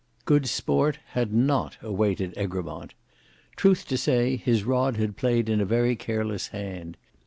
Good sport had not awaited Egremont. Truth to say, his rod had played in a very careless hand.